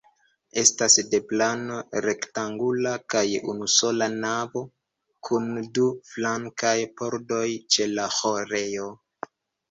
Estas de plano rektangula kaj unusola navo, kun du flankaj pordoj ĉe la ĥorejo.